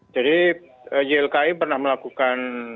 jadi ilki pernah melakukan